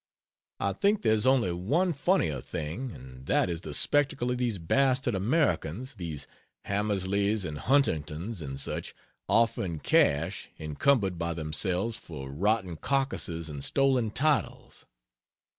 I think there is only one funnier thing, and that is the spectacle of these bastard Americans these Hamersleys and Huntingtons and such offering cash, encumbered by themselves, for rotten carcases and stolen titles.